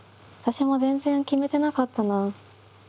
私も全然決めてなかったな。